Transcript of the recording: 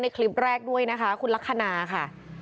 คลิปแรกด้วยนะคะคุณลักษณะค่ะ